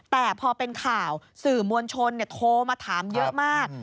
แต่พอเป็นข่าวสื่อมวลชนโทรมาถามเยอะมาก